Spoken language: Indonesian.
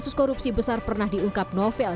kasus korupsi besar pernah diungkap novel